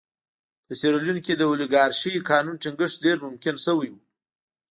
په سیریلیون کې د اولیګارشۍ قانون ټینګښت ډېر ممکن شوی و.